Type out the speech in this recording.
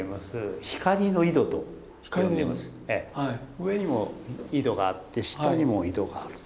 上にも井戸があって下にも井戸があると。